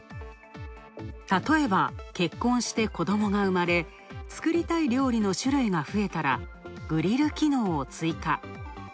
たとえば、結婚して子どもが生まれ、作りたい料理の種類が増えたら、グリル機能を追加。